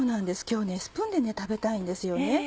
今日スプーンで食べたいんですよね。